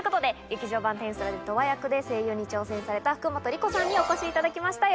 『劇場版転スラ』でトワ役で声優に挑戦された福本莉子さんにお越しいただきました。